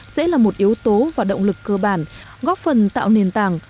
sẽ là một yếu tố và động lực cơ bản góp phần tạo nền tảng